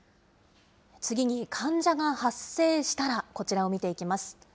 次に患者が発生したら、こちらを見ていきます。